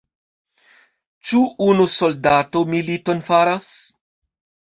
Ĉu unu soldato militon faras?